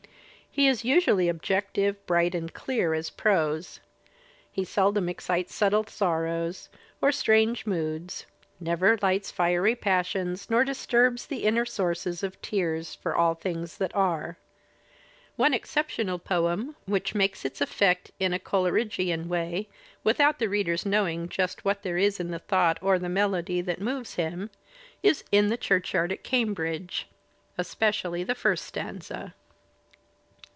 He is usually objective, bright and clear as prose. He seldom excites subtle sorrows or strange moods, never lights fiery passions nor disturbs the inner sources of tears for all things that are. One exceptional poem which makes its effect in a Coleridgean way, without the reader's knowing 5ust what there is in the thought or the melody that mQVes Digitized by Google LONGFELLOW 107 him, is "In the Churchyard at Cambridge," especially the first stanza.